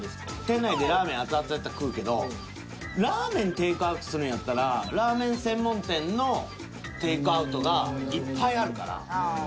店内でラーメン熱々やったら食うけどラーメンテイクアウトするんやったらラーメン専門店のテイクアウトがいっぱいあるから。